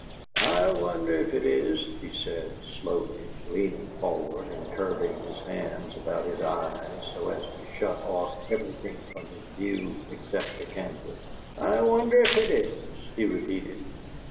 "I wonder if it is," he said, slowly, leaning forward and curving his hands about his eyes so as to shut off everything from his view except the canvas. "I wonder if it is!" he repeated.